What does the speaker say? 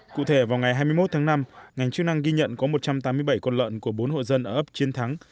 cụ thể vào ngày hai mươi một tháng năm ngành chức năng ghi nhận có một trăm tám mươi bảy con lợn của bốn hộ dân ở ấp chiến thắng